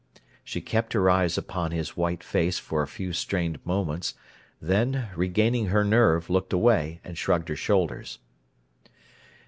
She kept her eyes upon his white face for a few strained moments, then, regaining her nerve, looked away and shrugged her shoulders.